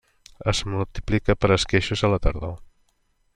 Es multiplica per esqueixos a la tardor.